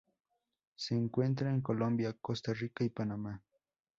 Se encuentra en Colombia, Costa Rica, y Panamá.